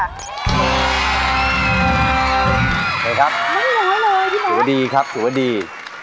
สุดีครับสุดีครับสุดี